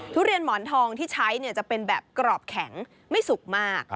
ทุเรียนหมอนทองที่ใช้จะเป็นแบบกรอบแข็งไม่สุกมาก